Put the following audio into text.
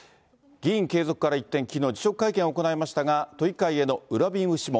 議員継続から一転、きのう、辞職会見を行いましたが、都議会への恨み節も。